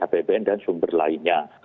hpbn dan sumber lainnya